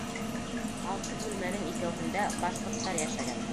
Алты бүлмәнең икәүһендә башҡорттар йәшәгән.